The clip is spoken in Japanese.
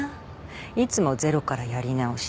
いつもゼロからやり直し。